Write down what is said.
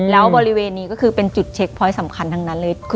แล้วบริเวณนี้ก็คือเป็นจุดเช็คพอยต์สำคัญทั้งนั้นเลย